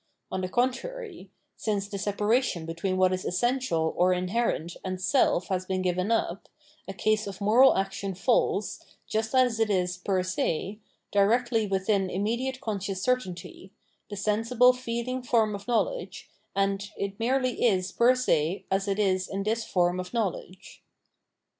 On the contrary ; since the separation between what is essential or inherent and self has been given up, a case of moral action falls, just as it is 'per se, directly within immediate conscious certainty, the sensible [feeling] form of knowledge, and it merely is per se as it is in this form of knowledge.